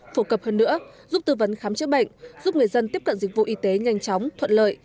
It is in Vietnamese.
phổ cập hơn nữa giúp tư vấn khám chữa bệnh giúp người dân tiếp cận dịch vụ y tế nhanh chóng thuận lợi